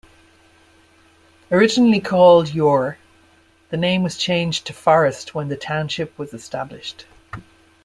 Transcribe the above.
Originally called Yaugher, the name was changed to Forrest when the township was established.